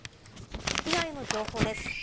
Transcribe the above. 被害の情報です。